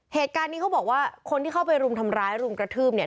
เหตุการณ์นี้เขาบอกว่าคนที่เข้าไปรุมทำร้ายรุมกระทืบเนี่ย